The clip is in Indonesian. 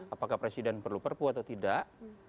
apakah presiden perlu perpu atau tidak